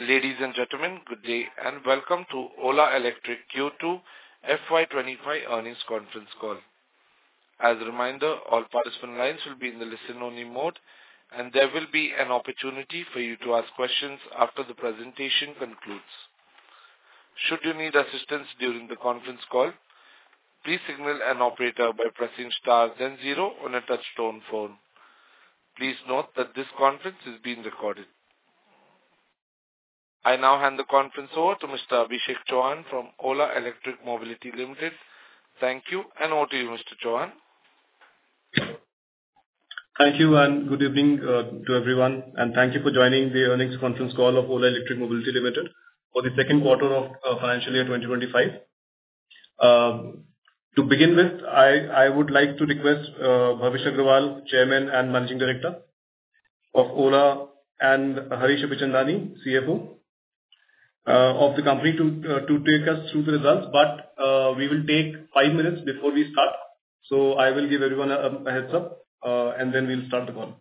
Ladies and gentlemen, good day and welcome to Ola Electric Q2 FY25 earnings conference call. As a reminder, all participant lines will be in the listen-only mode, and there will be an opportunity for you to ask questions after the presentation concludes. Should you need assistance during the conference call, please signal an operator by pressing star then zero on a touch-tone phone. Please note that this conference is being recorded. I now hand the conference over to Mr. Abhishek Chauhan from Ola Electric Mobility Limited. Thank you, and over to you, Mr. Chauhan. Thank you, and good evening to everyone, and thank you for joining the earnings conference call of Ola Electric Mobility Limited for the second quarter of financial year 2025. To begin with, I would like to request Bhavish Aggarwal, Chairman and Managing Director of Ola, and Harish Abichandani, CFO of the company, to take us through the results. But we will take five minutes before we start, so I will give everyone a heads-up, and then we'll start the call.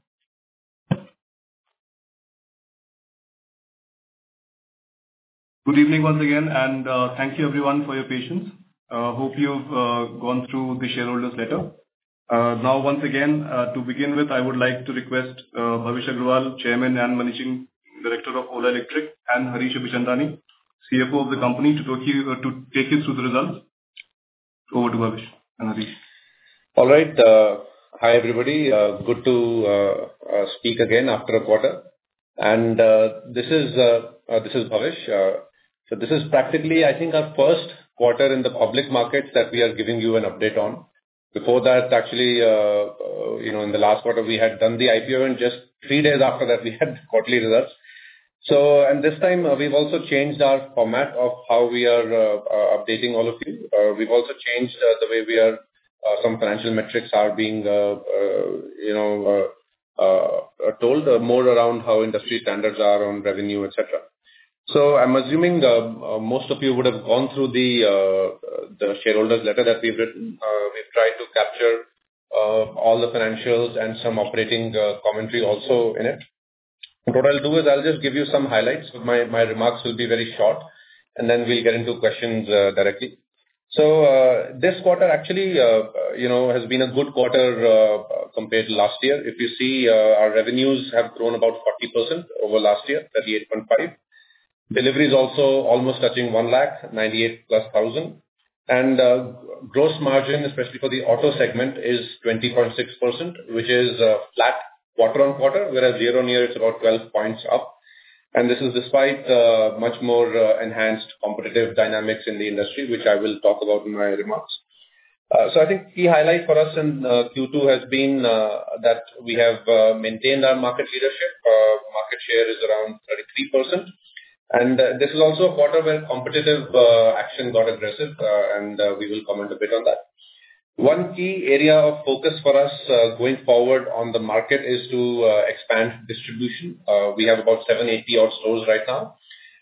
Good evening once again, and thank you, everyone, for your patience. I hope you've gone through the shareholders' letter. Now, once again, to begin with, I would like to request Bhavish Aggarwal, Chairman and Managing Director of Ola Electric, and Harish Abichandani, CFO of the company, to take you through the results. Over to Bhavish and Harish. All right. Hi, everybody. Good to speak again after a quarter. And this is Harish. So this is practically, I think, our first quarter in the public markets that we are giving you an update on. Before that, actually, in the last quarter, we had done the IPO, and just three days after that, we had the quarterly results. And this time, we've also changed our format of how we are updating all of you. We've also changed the way we are some financial metrics are being told more around how industry standards are on revenue, etc. So I'm assuming most of you would have gone through the shareholders' letter that we've written. We've tried to capture all the financials and some operating commentary also in it. What I'll do is I'll just give you some highlights. My remarks will be very short, and then we'll get into questions directly. This quarter actually has been a good quarter compared to last year. If you see, our revenues have grown about 40% over last year, 38.5%. Deliveries also almost touching [Number]. And gross margin, especially for the auto segment, is 20.6%, which is flat quarter on quarter, whereas year on year, it's about 12 points up. And this is despite much more enhanced competitive dynamics in the industry, which I will talk about in my remarks. So I think the key highlight for us in Q2 has been that we have maintained our market leadership. Market share is around 33%. And this is also a quarter where competitive action got aggressive, and we will comment a bit on that. One key area of focus for us going forward on the market is to expand distribution. We have about 780-odd stores right now,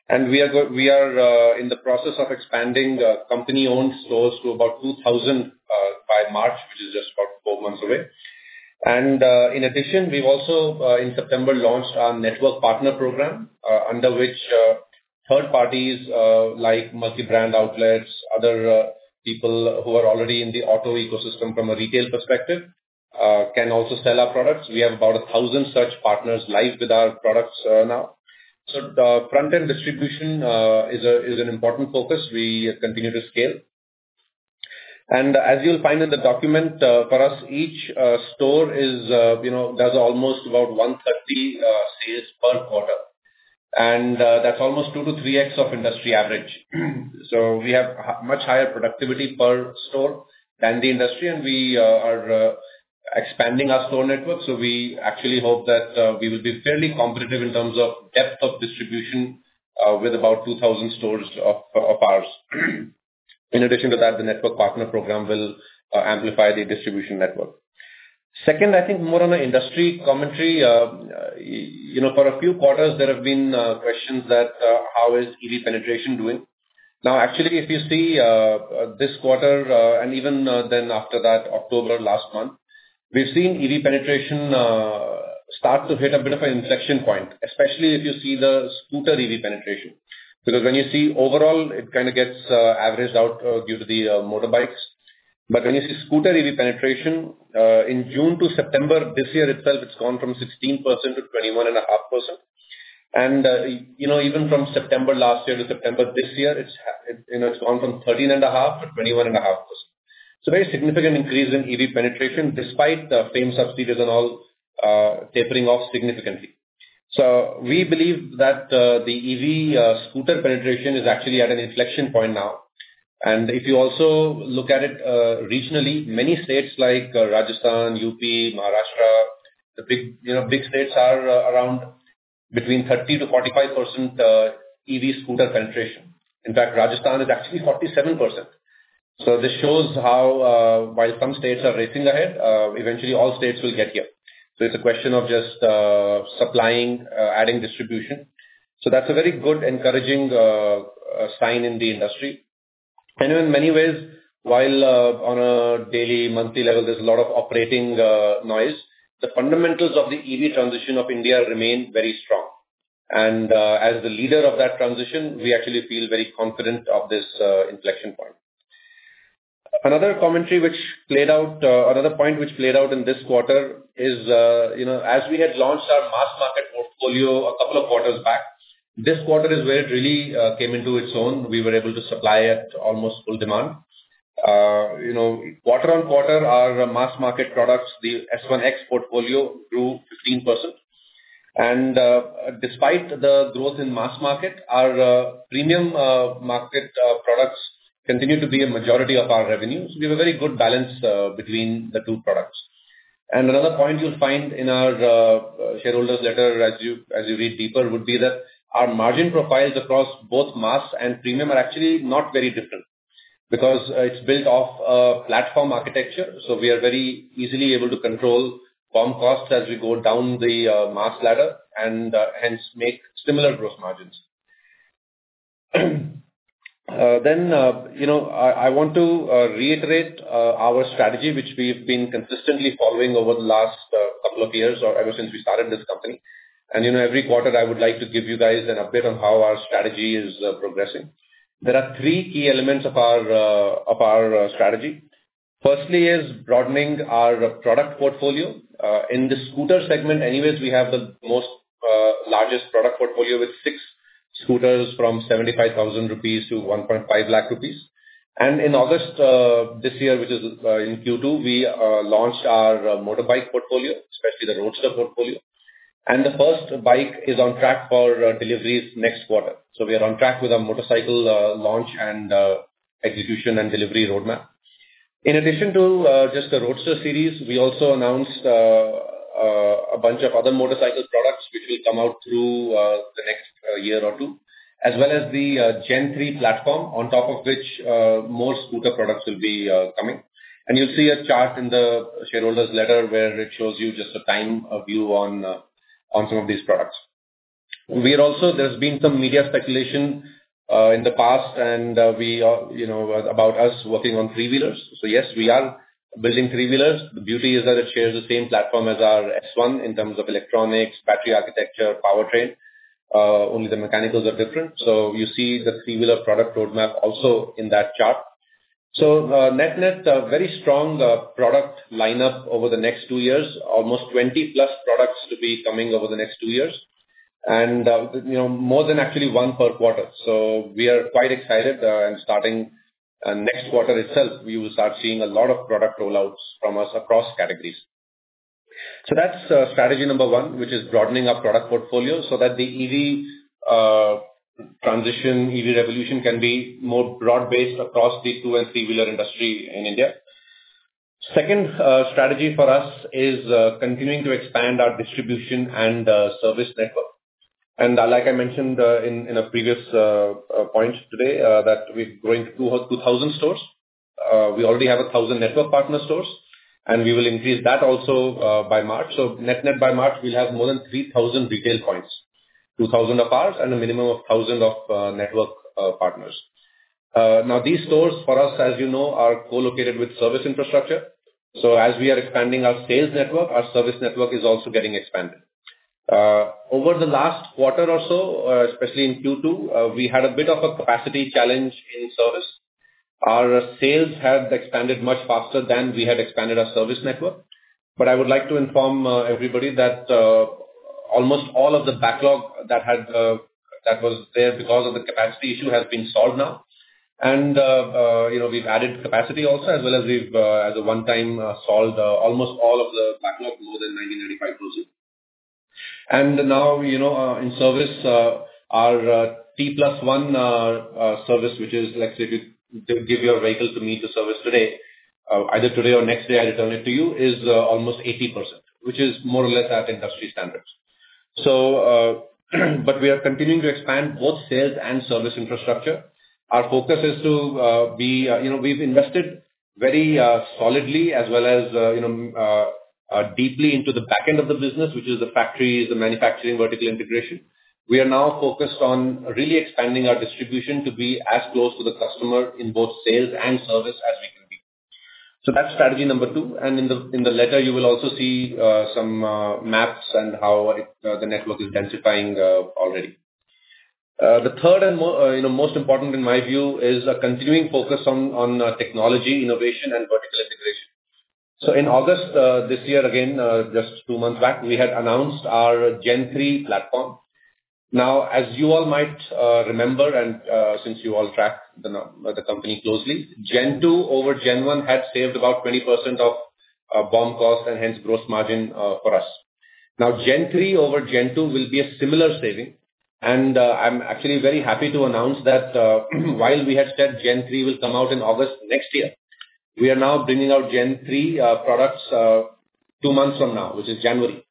and we are in the process of expanding company-owned stores to about 2,000 by March, which is just about four months away. And in addition, we've also, in September, launched our network partner program, under which third parties like multi-brand outlets, other people who are already in the auto ecosystem from a retail perspective, can also sell our products. We have about 1,000 such partners live with our products now. So the front-end distribution is an important focus. We continue to scale. And as you'll find in the document, for us, each store does almost about 130 sales per quarter, and that's almost 2 to 3x of industry average. So we have much higher productivity per store than the industry, and we are expanding our store network. We actually hope that we will be fairly competitive in terms of depth of distribution with about 2,000 stores of ours. In addition to that, the network partner program will amplify the distribution network. Second, I think more on the industry commentary. For a few quarters, there have been questions that, "How is EV penetration doing?" Now, actually, if you see this quarter and even then after that, October last month, we've seen EV penetration start to hit a bit of an inflection point, especially if you see the scooter EV penetration. Because when you see overall, it kind of gets averaged out due to the motorbikes. But when you see scooter EV penetration, in June to September this year itself, it's gone from 16%-21.5%. And even from September last year to September this year, it's gone from 13.5%-21.5%. Very significant increase in EV penetration despite the FAME subsidies and all tapering off significantly. We believe that the EV scooter penetration is actually at an inflection point now. If you also look at it regionally, many states like Rajasthan, UP, Maharashtra, the big states are around between 30% to 45% EV scooter penetration. In fact, Rajasthan is actually 47%. This shows how, while some states are racing ahead, eventually all states will get here. It's a question of just supplying, adding distribution. That's a very good encouraging sign in the industry. In many ways, while on a daily, monthly level, there's a lot of operating noise, the fundamentals of the EV transition of India remain very strong. As the leader of that transition, we actually feel very confident of this inflection point. Another commentary which played out, another point which played out in this quarter is, as we had launched our mass market portfolio a couple of quarters back, this quarter is where it really came into its own. We were able to supply at almost full demand. Quarter on quarter, our mass market products, the S1 X portfolio, grew 15%, and despite the growth in mass market, our premium market products continue to be a majority of our revenue, so we have a very good balance between the two products, and another point you'll find in our shareholders' letter, as you read deeper, would be that our margin profiles across both mass and premium are actually not very different because it's built off a platform architecture, so we are very easily able to control comp costs as we go down the mass ladder and hence make similar gross margins. Then I want to reiterate our strategy, which we've been consistently following over the last couple of years or ever since we started this company. And every quarter, I would like to give you guys an update on how our strategy is progressing. There are three key elements of our strategy. Firstly is broadening our product portfolio. In the scooter segment, anyways, we have the most largest product portfolio with six scooters from 75,000-1.5 lakhs rupees. And in August this year, which is in Q2, we launched our motorbike portfolio, especially the roadster portfolio. And the first bike is on track for deliveries next quarter. So we are on track with our motorcycle launch and execution and delivery roadmap. In addition to just the Roadster series, we also announced a bunch of other motorcycle products, which will come out through the next year or two, as well as the Gen 3 Platform, on top of which more scooter products will be coming. And you'll see a chart in the shareholders' letter where it shows you just a time view on some of these products. There's been some media speculation in the past about us working on three-wheelers. So yes, we are building three-wheelers. The beauty is that it shares the same platform as our S1 in terms of electronics, battery architecture, powertrain. Only the mechanicals are different. So you see the three-wheeler product roadmap also in that chart. So Net net, a very strong product lineup over the next two years, almost 20 plus products to be coming over the next two years, and more than actually one per quarter. We are quite excited. Starting next quarter itself, we will start seeing a lot of product rollouts from us across categories. That's strategy number one, which is broadening our product portfolio so that the EV transition, EV revolution can be more broad-based across the two and three-wheeler industry in India. Second strategy for us is continuing to expand our distribution and service network. Like I mentioned in a previous point today, we're going to 2,000 stores. We already have 1,000 network partner stores, and we will increase that also by March. Net net by March, we'll have more than 3,000 retail points, 2,000 of ours and a minimum of 1,000 of network partners. Now, these stores for us, as you know, are co-located with service infrastructure. As we are expanding our sales network, our service network is also getting expanded. Over the last quarter or so, especially in Q2, we had a bit of a capacity challenge in service. Our sales had expanded much faster than we had expanded our service network, but I would like to inform everybody that almost all of the backlog that was there because of the capacity issue has been solved now, and we've added capacity also, as well as we've, as a one-time, solved almost all of the backlog, more than [Number], and now in service, our T+1 service, which is, let's say, if you give your vehicle to me to service today, either today or next day, I return it to you, is almost 80%, which is more or less at industry standards, but we are continuing to expand both sales and service infrastructure. Our focus is. We've invested very solidly, as well as deeply, into the back end of the business, which is the factories, the manufacturing vertical integration. We are now focused on really expanding our distribution to be as close to the customer in both sales and service as we can be, so that's strategy number two, and in the letter, you will also see some maps and how the network is densifying already. The third and most important, in my view, is a continuing focus on technology, innovation, and vertical integration, so in August this year, again, just two months back, we had announced our Gen 3 Platform. Now, as you all might remember, and since you all track the company closely, Gen 2 over Gen 1 had saved about 20% of BOM cost and hence gross margin for us. Now, Gen 3 over Gen 2 will be a similar saving, and I'm actually very happy to announce that while we had said Gen 3 will come out in August next year, we are now bringing out Gen 3 products two months from now, which is January,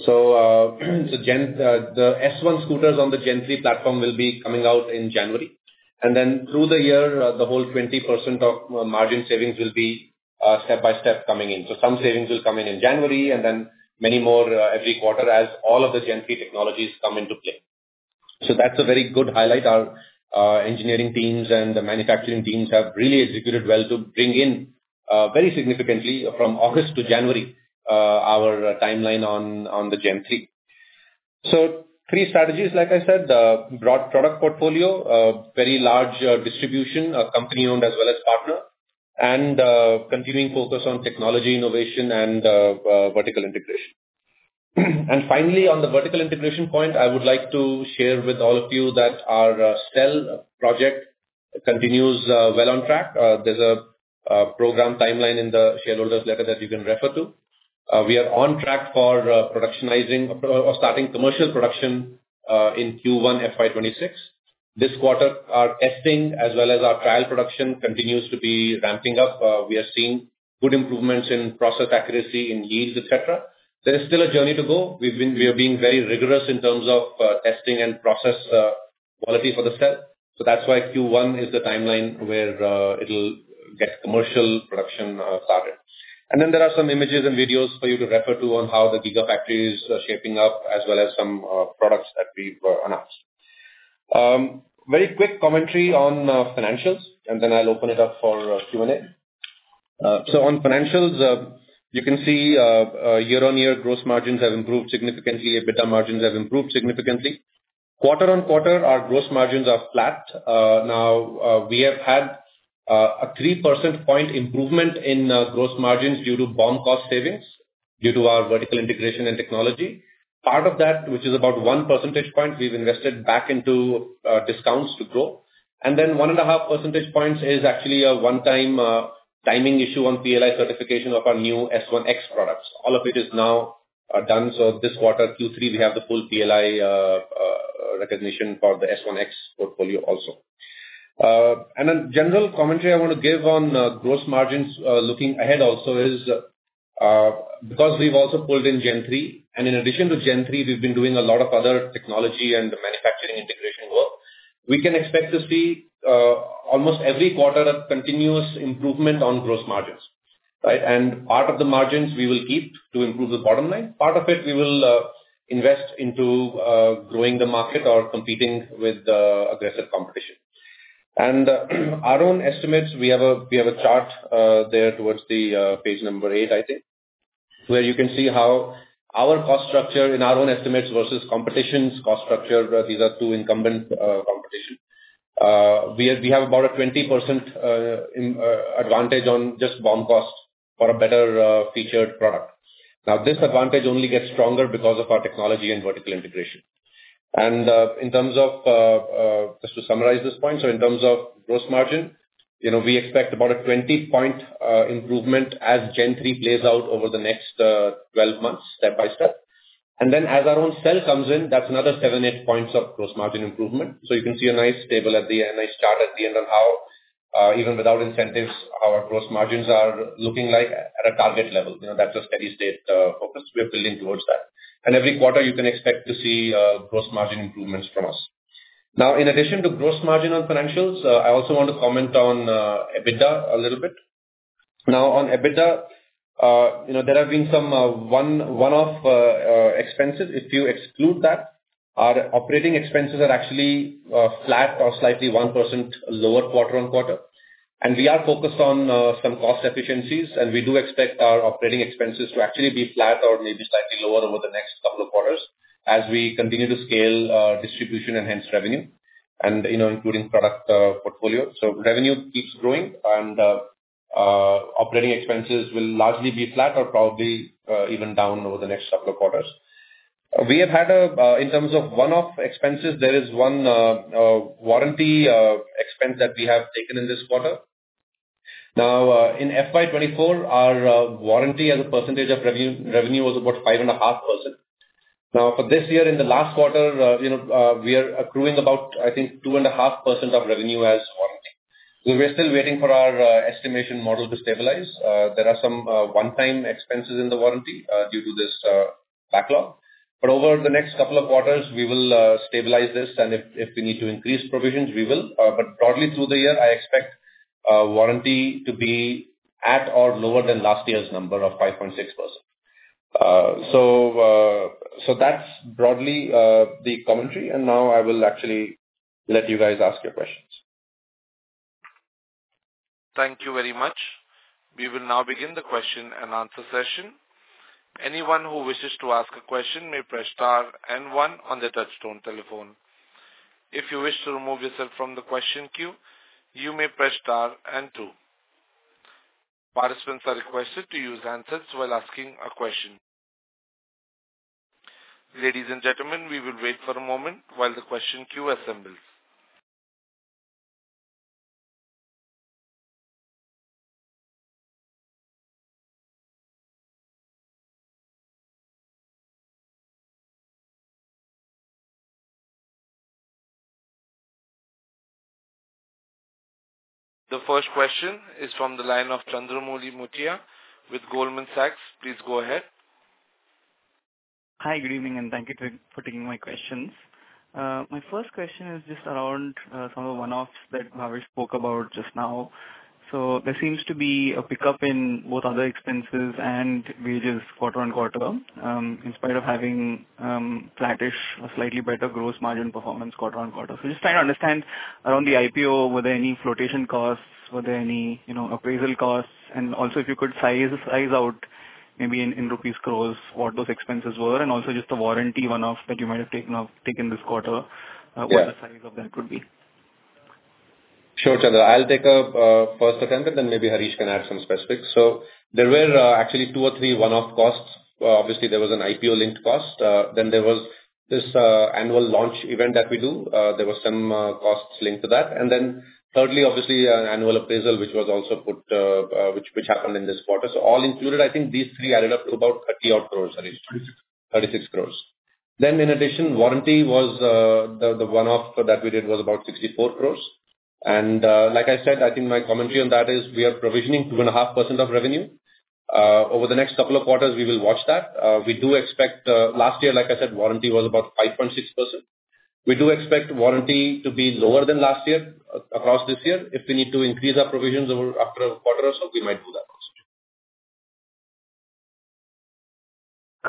so the S1 scooters on the Gen 3 platform will be coming out in January. And then through the year, the whole 20% of margin savings will be step by step coming in, so some savings will come in in January, and then many more every quarter as all of the Gen 3 technologies come into play. So that's a very good highlight. Our engineering teams and the manufacturing teams have really executed well to bring in very significantly, from August to January, our timeline on the Gen 3. So three strategies, like I said, the broad product portfolio, very large distribution, a company-owned as well as partner, and continuing focus on technology, innovation, and vertical integration. And finally, on the vertical integration point, I would like to share with all of you that our cell project continues well on track. There's a program timeline in the shareholders' letter that you can refer to. We are on track for productionizing or starting commercial production in Q1 FY26. This quarter, our testing as well as our trial production continues to be ramping up. We are seeing good improvements in process accuracy, in yields, etc. There is still a journey to go. We are being very rigorous in terms of testing and process quality for the cell. So that's why Q1 is the timeline where it'll get commercial production started. And then there are some images and videos for you to refer to on how the Gigafactory is shaping up, as well as some products that we've announced. Very quick commentary on financials, and then I'll open it up for Q&A. So on financials, you can see year-on-year gross margins have improved significantly. EBITDA margins have improved significantly. Quarter on quarter, our gross margins are flat. Now, we have had a 3 percentage point improvement in gross margins due to BOM cost savings due to our vertical integration and technology. Part of that, which is about 1 percentage point, we've invested back into discounts to grow. And then 1.5 percentage points is actually a one-time timing issue on PLI certification of our new S1 X products. All of it is now done. So this quarter, Q3, we have the full PLI recognition for the S1 X portfolio also. A general commentary I want to give on gross margins looking ahead also is because we've also pulled in Gen 3, and in addition to Gen 3, we've been doing a lot of other technology and manufacturing integration work. We can expect to see almost every quarter a continuous improvement on gross margins. Part of the margins we will keep to improve the bottom line. Part of it, we will invest into growing the market or competing with aggressive competition. Our own estimates, we have a chart there towards page number eight, I think, where you can see how our cost structure in our own estimates versus competition's cost structure. These are two incumbent competitors. We have about a 20% advantage on just BOM cost for a better featured product. Now, this advantage only gets stronger because of our technology and vertical integration. In terms of, just to summarize this point, so in terms of gross margin, we expect about a 20-point improvement as Gen 3 plays out over the next 12 months step by step. And then as our own cell comes in, that's another 7-8 points of gross margin improvement. So you can see a nice table at the end, a nice chart at the end on how, even without incentives, our gross margins are looking like at a target level. That's a steady-state focus. We are building towards that. And every quarter, you can expect to see gross margin improvements from us. Now, in addition to gross margin on financials, I also want to comment on EBITDA a little bit. Now, on EBITDA, there have been some one-off expenses. If you exclude that, our operating expenses are actually flat or slightly 1% lower quarter on quarter. We are focused on some cost efficiencies, and we do expect our operating expenses to actually be flat or maybe slightly lower over the next couple of quarters as we continue to scale distribution and hence revenue, including product portfolio. Revenue keeps growing, and operating expenses will largely be flat or probably even down over the next couple of quarters. We have had, in terms of one-off expenses, there is one warranty expense that we have taken in this quarter. Now, in FY24, our warranty as a percentage of revenue was about 5.5%. Now, for this year, in the last quarter, we are accruing about, I think, 2.5% of revenue as warranty. We're still waiting for our estimation model to stabilize. There are some one-time expenses in the warranty due to this backlog. Over the next couple of quarters, we will stabilize this. And if we need to increase provisions, we will. But broadly through the year, I expect warranty to be at or lower than last year's number of 5.6%. So that's broadly the commentary. And now I will actually let you guys ask your questions. Thank you very much. We will now begin the question and answer session. Anyone who wishes to ask a question may press star and one on the touch-tone telephone. If you wish to remove yourself from the question queue, you may press star and two. Participants are requested to use handsets while asking a question. Ladies and gentlemen, we will wait for a moment while the question queue assembles. The first question is from the line of Chandramouli Muthiah with Goldman Sachs. Please go ahead. Hi, good evening, and thank you for taking my questions. My first question is just around some of the one-offs that Harish spoke about just now. So there seems to be a pickup in both other expenses and wages quarter on quarter, in spite of having flattish or slightly better gross margin performance quarter on quarter. So just trying to understand around the IPO, were there any flotation costs? Were there any appraisal costs? And also, if you could size out, maybe in rupees gross, what those expenses were? And also just the warranty one-off that you might have taken this quarter, what the size of that could be? Sure, Chandra. I'll take a first attempt, and then maybe Harish can add some specifics. So there were actually two or three one-off costs. Obviously, there was an IPO-linked cost. Then there was this annual launch event that we do. There were some costs linked to that. And then, thirdly, obviously, annual appraisal, which was also put, which happened in this quarter. So all included, I think these three added up to about 30-odd crores, Harish. 36. 36 crores. Then in addition, warranty was the one-off that we did was about 64 crores. And like I said, I think my commentary on that is we are provisioning 2.5% of revenue. Over the next couple of quarters, we will watch that. We do expect last year, like I said, warranty was about 5.6%. We do expect warranty to be lower than last year across this year. If we need to increase our provisions after a quarter or so, we might do that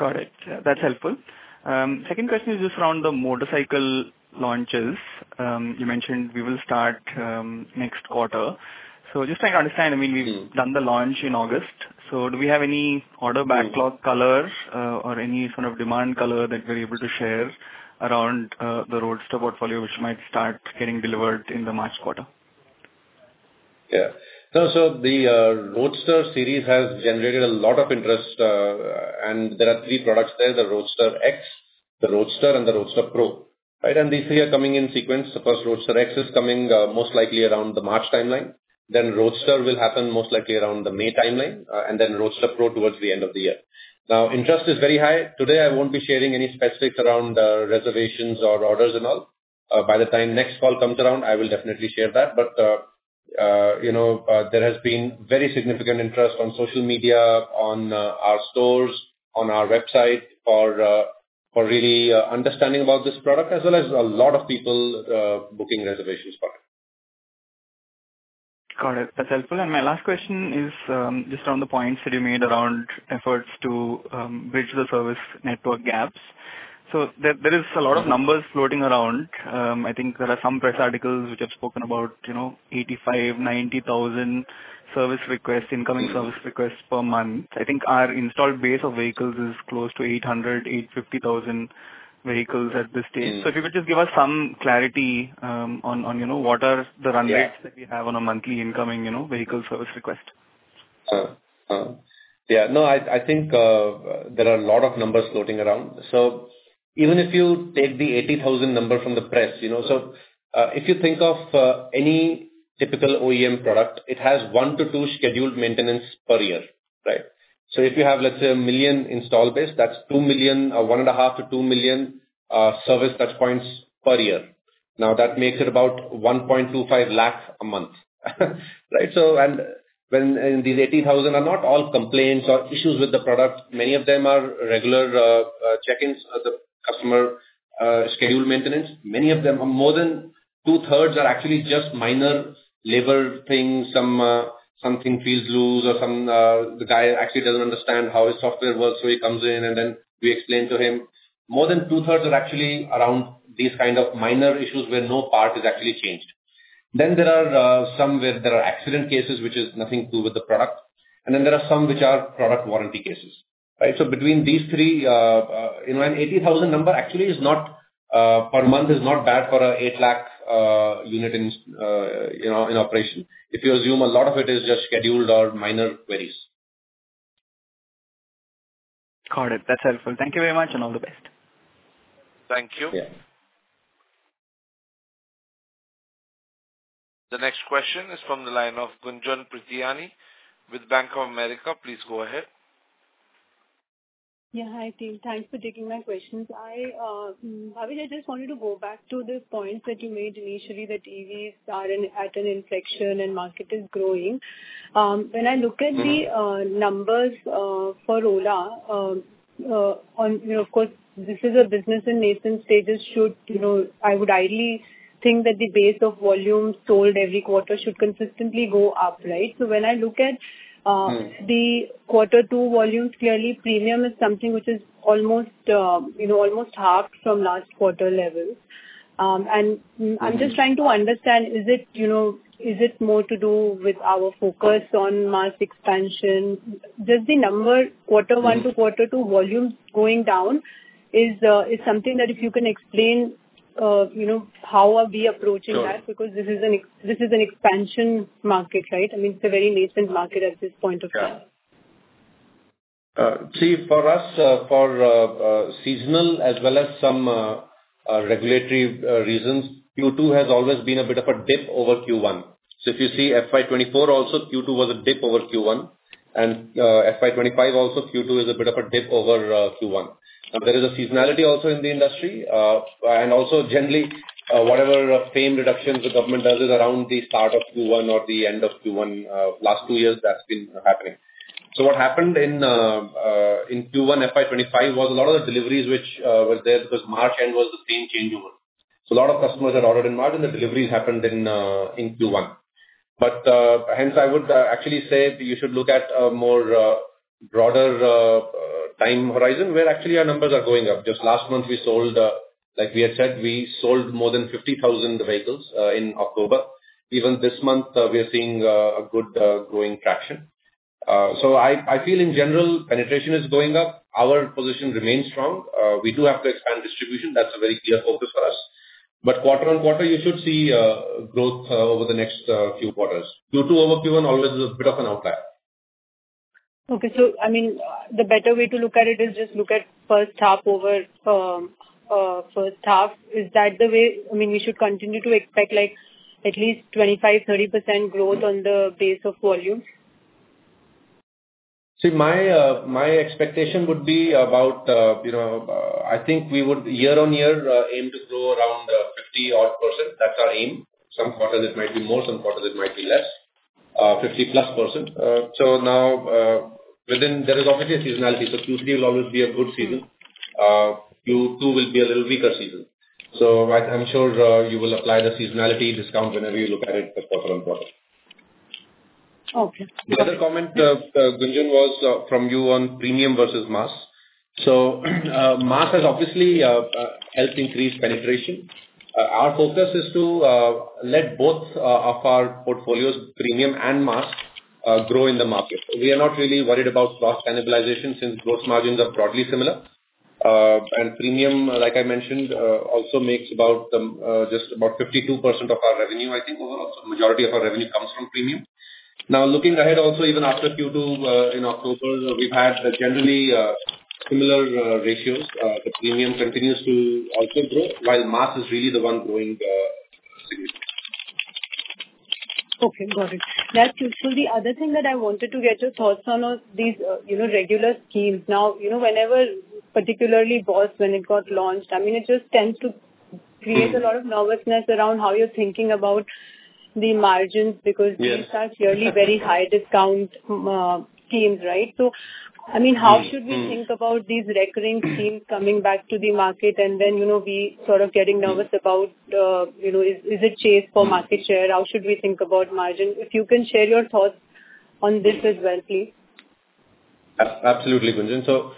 also. Got it. That's helpful. Second question is just around the motorcycle launches. You mentioned we will start next quarter. So just trying to understand, I mean, we've done the launch in August. So do we have any order backlog color or any sort of demand color that we're able to share around the Roadster portfolio, which might start getting delivered in the March quarter? Yeah. No, so the Roadster series has generated a lot of interest. And there are three products there: the Roadster X, the Roadster, and the Roadster Pro. And these three are coming in sequence. The first Roadster X is coming most likely around the March timeline. Then Roadster will happen most likely around the May timeline, and then Roadster Pro towards the end of the year. Now, interest is very high. Today, I won't be sharing any specifics around reservations or orders and all. By the time next call comes around, I will definitely share that. But there has been very significant interest on social media, on our stores, on our website for really understanding about this product, as well as a lot of people booking reservations for it. Got it. That's helpful. And my last question is just around the points that you made around efforts to bridge the service network gaps. So there is a lot of numbers floating around. I think there are some press articles which have spoken about 85,000, 90,000 service requests, incoming service requests per month. I think our installed base of vehicles is close to 800,000, 850,000 vehicles at this stage. So if you could just give us some clarity on what are the run rates that we have on a monthly incoming vehicle service request. Yeah. No, I think there are a lot of numbers floating around. Even if you take the 80,000 number from the press, so if you think of any typical OEM product, it has one to two scheduled maintenance per year. So if you have, let's say, a million install base, that's 2 million, 1.5 to 2 million service touchpoints per year. Now, that makes it about 1.25 lakh a month. These 80,000 are not all complaints or issues with the product. Many of them are regular check-ins, the customer scheduled maintenance. Many of them, more than two-thirds, are actually just minor labor things. Something feels loose or the guy actually doesn't understand how his software works, so he comes in, and then we explain to him. More than two-thirds are actually around these kind of minor issues where no part is actually changed. Then there are some where there are accident cases, which is nothing to do with the product. And then there are some which are product warranty cases. So between these three, an 80,000 number actually is not per month, is not bad for an 8 lakh unit in operation. If you assume a lot of it is just scheduled or minor queries. Got it. That's helpful. Thank you very much and all the best. Thank you. The next question is from the line of Gunjan Prithyani with Bank of America. Please go ahead. Yeah. Hi, team. Thanks for taking my questions. Harish, I just wanted to go back to the points that you made initially, that EVs are at an inflection and market is growing. When I look at the numbers for Ola, of course, this is a business in nascent stages. I would idly think that the base of volume sold every quarter should consistently go up, right? So when I look at the quarter two volumes, clearly, premium is something which is almost halved from last quarter levels. And I'm just trying to understand, is it more to do with our focus on mass expansion? Just the number, quarter one to quarter two volumes going down is something that if you can explain how are we approaching that, because this is an expansion market, right? I mean, it's a very nascent market at this point of time. See, for us, for seasonal as well as some regulatory reasons, Q2 has always been a bit of a dip over Q1. So if you see FY24, also Q2 was a dip over Q1. And FY25, also Q2 is a bit of a dip over Q1. Now, there is a seasonality also in the industry. And also, generally, whatever FAME reductions the government does is around the start of Q1 or the end of Q1. Last two years, that's been happening. So what happened in Q1 FY25 was a lot of the deliveries which were there because March end was the same changeover. So a lot of customers had ordered in March, and the deliveries happened in Q1. But hence, I would actually say you should look at a more broader time horizon where actually our numbers are going up. Just last month, we sold, like we had said, we sold more than 50,000 vehicles in October. Even this month, we are seeing a good growing traction. So I feel, in general, penetration is going up. Our position remains strong. We do have to expand distribution. That's a very clear focus for us. But quarter on quarter, you should see growth over the next few quarters. Q2 over Q1 always is a bit of an outlier. Okay. So, I mean, the better way to look at it is just look at first half over first half. Is that the way, I mean, we should continue to expect at least 25-30% growth on the base of volume? See, my expectation would be about, I think we would year on year aim to grow around 50-odd%. That's our aim. Some quarters it might be more, some quarters it might be less, 50+%. So now, there is obviously a seasonality. So Q3 will always be a good season. Q2 will be a little weaker season. So I'm sure you will apply the seasonality discount whenever you look at it for quarter on quarter. Okay. The other comment, Gunjan, was from you on premium versus mass. So mass has obviously helped increase penetration. Our focus is to let both of our portfolios, premium and mass, grow in the market. We are not really worried about cost cannibalization since gross margins are broadly similar. And premium, like I mentioned, also makes just about 52% of our revenue, I think, overall. So the majority of our revenue comes from premium. Now, looking ahead also, even after Q2 in October, we've had generally similar ratios. The premium continues to also grow, while mass is really the one growing significantly. Okay. Got it. That's useful. The other thing that I wanted to get your thoughts on was these regular schemes. Now, whenever, particularly BOSS, when it got launched, I mean, it just tends to create a lot of nervousness around how you're thinking about the margins because these are clearly very high-discount schemes, right? So, I mean, how should we think about these recurring schemes coming back to the market? And then we sort of getting nervous about, is it chase for market share? How should we think about margin? If you can share your thoughts on this as well, please. Absolutely, Gunjan. So,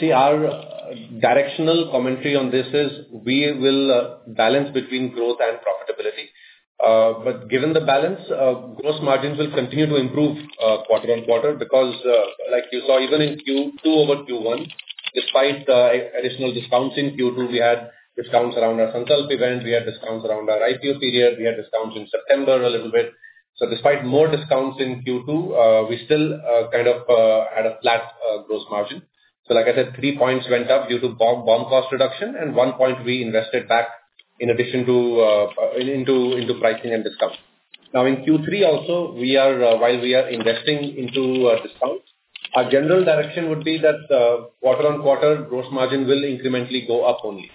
see, our directional commentary on this is we will balance between growth and profitability. But given the balance, gross margins will continue to improve quarter on quarter because, like you saw, even in Q2 over Q1, despite additional discounts in Q2, we had discounts around our Sankalp event. We had discounts around our IPO period. We had discounts in September a little bit. So despite more discounts in Q2, we still kind of had a flat gross margin. So, like I said, three points went up due to BOM cost reduction, and one point we invested back in addition to into pricing and discounts. Now, in Q3 also, while we are investing into discounts, our general direction would be that quarter on quarter, gross margin will incrementally go up only.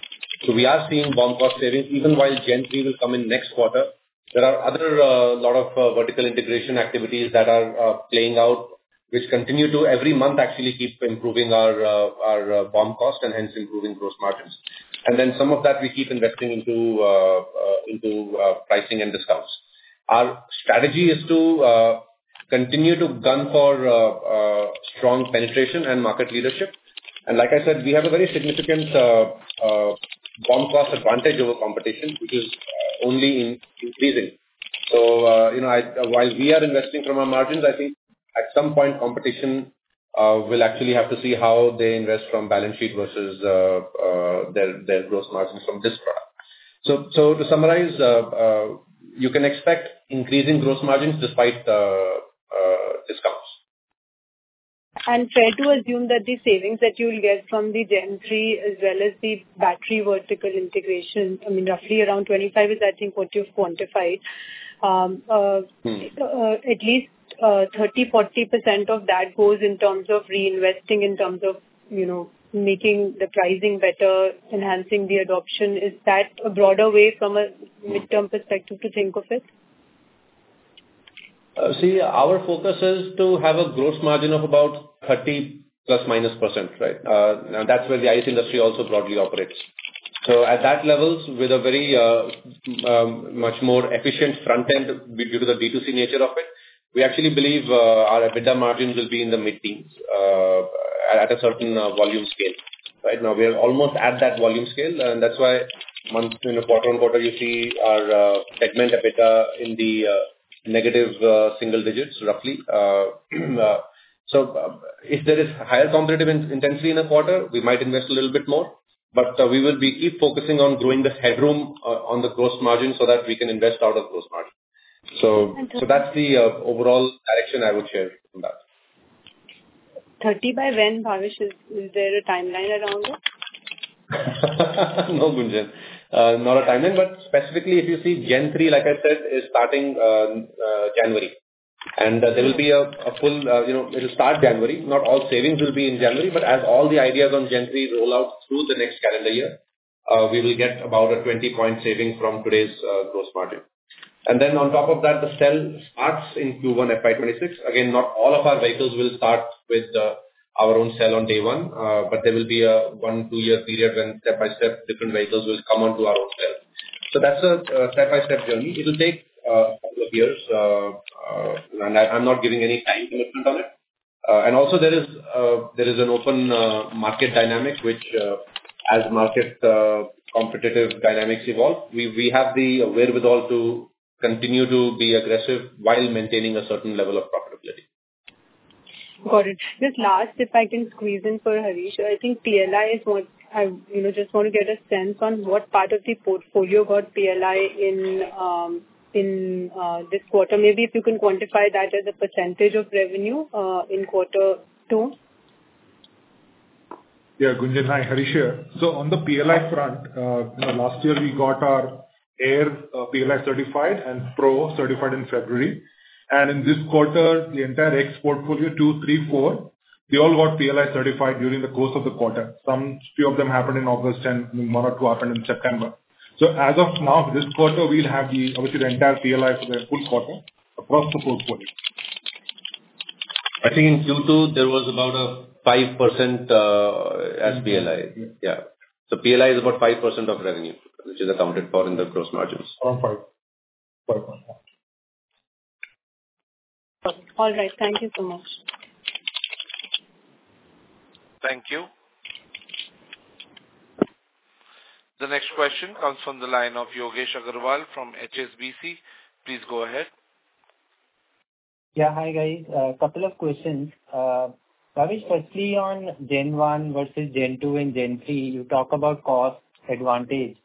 So we are seeing BOM cost savings, even while Gen 3 will come in next quarter. There are other a lot of vertical integration activities that are playing out, which continue to, every month, actually keep improving our BOM cost and hence improving gross margins. And then some of that we keep investing into pricing and discounts. Our strategy is to continue to gun for strong penetration and market leadership. And like I said, we have a very significant BOM cost advantage over competition, which is only increasing. So while we are investing from our margins, I think at some point, competition will actually have to see how they invest from balance sheet versus their gross margins from this product. So to summarize, you can expect increasing gross margins despite discounts. And fair to assume that the savings that you'll get from the Gen 3, as well as the battery vertical integration, I mean, roughly around 25% is, I think, what you've quantified. At least 30%-40% of that goes in terms of reinvesting, in terms of making the pricing better, enhancing the adoption. Is that a broader way from a midterm perspective to think of it? See, our focus is to have a gross margin of about 30% plus or minus, right? That's where the ICE industry also broadly operates. So at that level, with a very much more efficient front end due to the B2C nature of it, we actually believe our EBITDA margin will be in the mid-teens at a certain volume scale. Now, we are almost at that volume scale, and that's why quarter on quarter, you see our segment EBITDA in the negative single digits, roughly. So if there is higher competitive intensity in a quarter, we might invest a little bit more, but we will keep focusing on growing the headroom on the gross margin so that we can invest out of gross margin. So that's the overall direction I would share from that. 30 by when, Harish? Is there a timeline around it? No, Gunjan. Not a timeline, but specifically, if you see Gen 3, like I said, is starting January. There will be a full it'll start January. Not all savings will be in January, but as all the ideas on Gen 3 roll out through the next calendar year, we will get about a 20-point saving from today's gross margin. Then on top of that, the cell starts in Q1 FY26. Again, not all of our vehicles will start with our own cell on day one, but there will be a one- to two-year period when step-by-step different vehicles will come onto our own cell. So that's a step-by-step journey. It will take a couple of years, and I'm not giving any time commitment on it. Also, there is an open market dynamic, which, as market competitive dynamics evolve, we have the wherewithal to continue to be aggressive while maintaining a certain level of profitability. Got it. Just last, if I can squeeze in for Harish, I think PLI is what I just want to get a sense on what part of the portfolio got PLI in this quarter. Maybe if you can quantify that as a percentage of revenue in quarter two. Yeah, Gunjan, hi, Harish here. So on the PLI front, last year, we got our S1 Air PLI certified and S1 Pro certified in February. And in this quarter, the entire X portfolio, two, three, four, they all got PLI certified during the course of the quarter. Some few of them happened in August, and one or two happened in September. So as of now, this quarter, we'll have the, obviously, the entire PLI for the full quarter across the portfolio. I think in Q2, there was about a 5% as PLI. Yeah. So PLI is about 5% of revenue, which is accounted for in the gross margins. Around 5. All right. Thank you so much. Thank you. The next question comes from the line of Yogesh Aggarwal from HSBC. Please go ahead. Yeah. Hi, guys. A couple of questions. Harish, firstly on Gen 1 versus Gen 2 and Gen 3, you talk about cost advantage.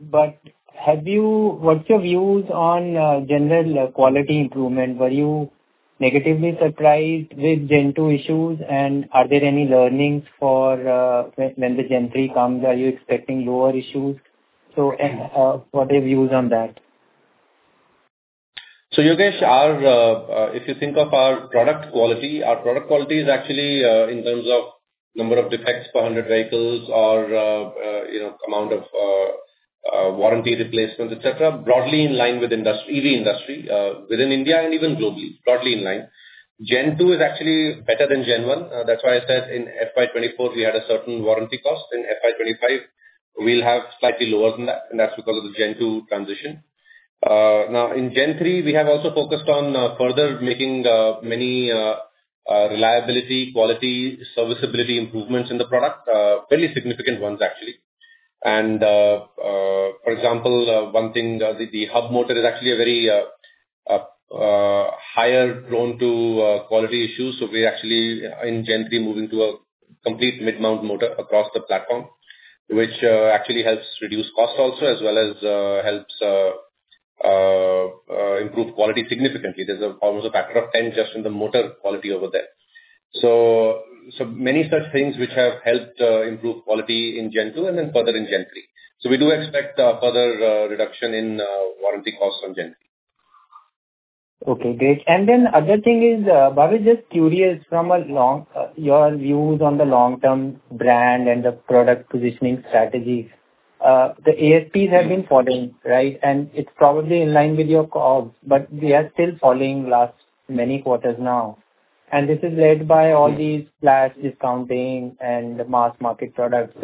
But what's your views on general quality improvement? Were you negatively surprised with Gen 2 issues, and are there any learnings for when the Gen 3 comes? Are you expecting lower issues? So what are your views on that? So Yogesh, if you think of our product quality, our product quality is actually, in terms of number of defects per 100 vehicles or amount of warranty replacement, etc., broadly in line with EV industry within India and even globally, broadly in line. Gen 2 is actually better than Gen 1. That's why I said in FY24, we had a certain warranty cost. In FY25, we'll have slightly lower than that, and that's because of the Gen 2 transition. Now, in Gen 3, we have also focused on further making many reliability, quality, serviceability improvements in the product, fairly significant ones, actually, and for example, one thing, the hub motor is actually a very higher prone to quality issues, so we're actually in Gen 3 moving to a complete mid-mount motor across the platform, which actually helps reduce cost also, as well as helps improve quality significantly. There's almost a factor of 10 just in the motor quality over there, so many such things which have helped improve quality in Gen 2 and then further in Gen 3, so we do expect further reduction in warranty costs on Gen 3. Okay. Great. And then the other thing is. I was just curious from your views on the long-term brand and the product positioning strategy. The ASPs have been falling, right? And it's probably in line with your calls, but we are still falling last many quarters now. And this is led by all these flash discounting and mass market products.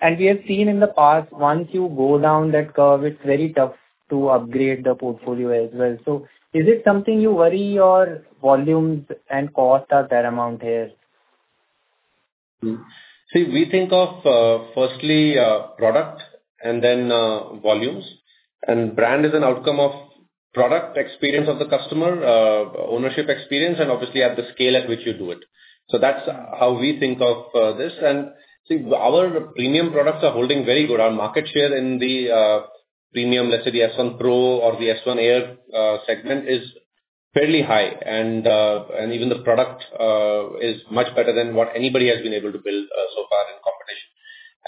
And we have seen in the past, once you go down that curve, it's very tough to upgrade the portfolio as well. So is it something you worry, or volumes and cost are paramount here? See, we think of firstly product and then volumes. And brand is an outcome of product experience of the customer, ownership experience, and obviously at the scale at which you do it. So that's how we think of this. And see, our premium products are holding very good. Our market share in the premium, let's say the S1 Pro or the S1 Air segment, is fairly high, and even the product is much better than what anybody has been able to build so far in competition.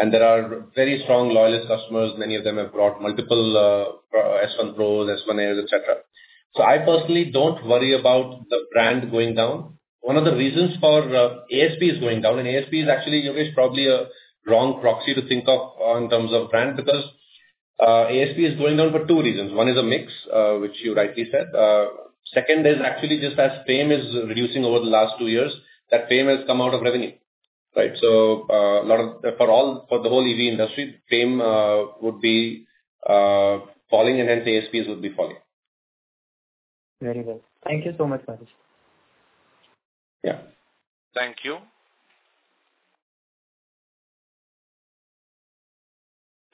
And there are very strong loyalist customers. Many of them have brought multiple S1 Pros, S1 Airs, etc. So I personally don't worry about the brand going down. One of the reasons for ASPs going down, and ASP is actually, Yogesh, probably a wrong proxy to think of in terms of brand because ASP is going down for two reasons. One is a mix, which you rightly said. Second is actually just as FAME is reducing over the last two years, that FAME has come out of revenue, right? So for the whole EV industry, FAME would be falling, and hence ASPs would be falling. Very good. Thank you so much, Harish. Yeah. Thank you.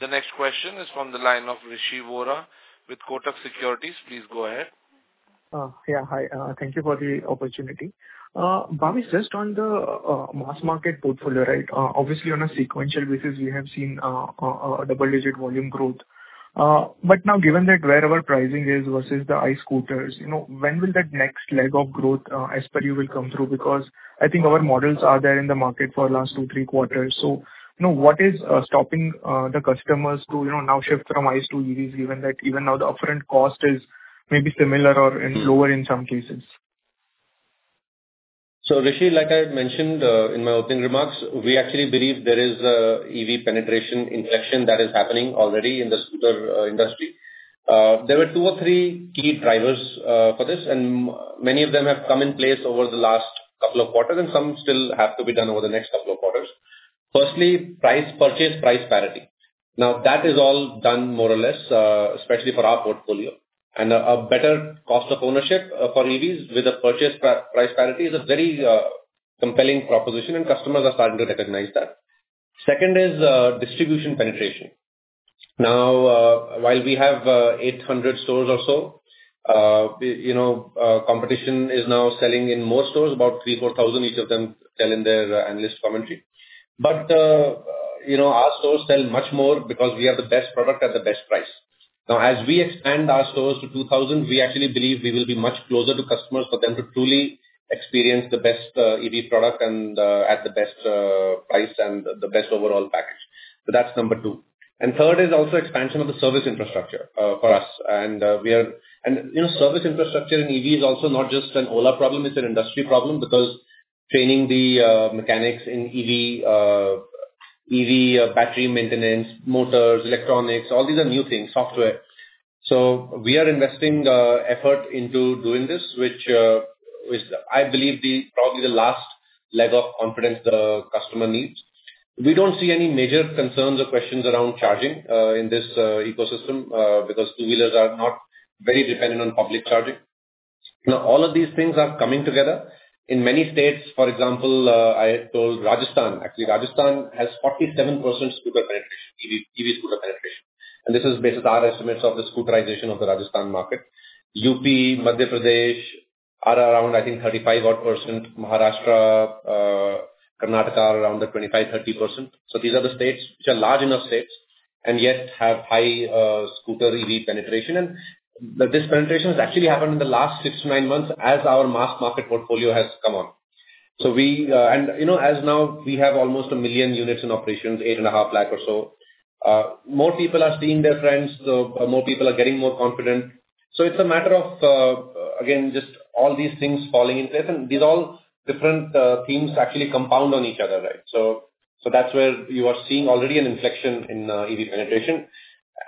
The next question is from the line of Rishi Vora with Kotak Securities. Please go ahead. Yeah. Hi. Thank you for the opportunity. Bhavish, just on the mass market portfolio, right? Obviously, on a sequential basis, we have seen a double-digit volume growth. But now, given that wherever pricing is versus the ICE scooters, when will that next leg of growth, as per you, come through? Because I think our models are there in the market for the last two, three quarters. So what is stopping the customers to now shift from ICE to EVs, given that even now the upfront cost is maybe similar or lower in some cases? So Rishi, like I had mentioned in my opening remarks, we actually believe there is an EV penetration inflection that is happening already in the scooter industry. There were two or three key drivers for this, and many of them have come in place over the last couple of quarters, and some still have to be done over the next couple of quarters. Firstly, purchase price parity. Now, that is all done more or less, especially for our portfolio, and a better cost of ownership for EVs with a purchase price parity is a very compelling proposition, and customers are starting to recognize that. Second is distribution penetration. Now, while we have 800 stores or so, competition is now selling in more stores, about 3,000, 4,000 each of them, telling their analyst commentary, but our stores sell much more because we have the best product at the best price. Now, as we expand our stores to 2,000, we actually believe we will be much closer to customers for them to truly experience the best EV product and at the best price and the best overall package. So that's number two. And third is also expansion of the service infrastructure for us. And service infrastructure in EV is also not just an Ola problem. It's an industry problem because training the mechanics in EV, EV battery maintenance, motors, electronics, all these are new things, software. So we are investing effort into doing this, which I believe is probably the last leg of confidence the customer needs. We don't see any major concerns or questions around charging in this ecosystem because two-wheelers are not very dependent on public charging. Now, all of these things are coming together. In many states, for example, I told Rajasthan, actually, Rajasthan has 47% scooter penetration, EV scooter penetration. And this is based on our estimates of the scooterization of the Rajasthan market. UP, Madhya Pradesh are around, I think, 35%. Maharashtra, Karnataka are around 25%-30%. So these are the states which are large enough states and yet have high scooter EV penetration. And this penetration has actually happened in the last six to nine months as our mass market portfolio has come on. And as now we have almost a million units in operations, eight and a half lakh or so, more people are seeing their friends, more people are getting more confident. So it's a matter of, again, just all these things falling in place. And these all different themes actually compound on each other, right? So that's where you are seeing already an inflection in EV penetration.